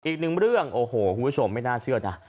อีกหนึ่งเรื่องโอ้โหคุณผู้ชมไม่น่าเชื่อนะ